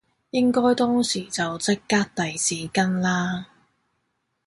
應該當時就即刻遞紙巾啦